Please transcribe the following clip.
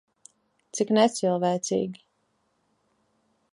Cik necilvēcīgi.